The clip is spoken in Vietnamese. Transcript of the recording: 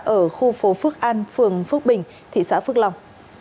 ở khu phố phước an phường phước bình thị xã phước long